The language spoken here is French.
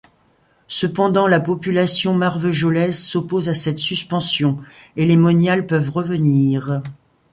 Cependant la population marvejolaise s'oppose à cette suspension, et les moniales peuvent revenir.